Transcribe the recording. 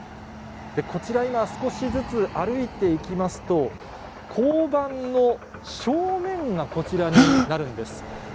こちら今、少しずつ歩いていきますと、交番の正面がこちらになるんです。